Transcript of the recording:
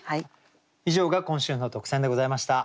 以上が今週の特選でございました。